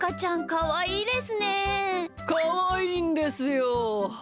かわいいんですよ。